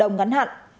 đồng ngắn hạn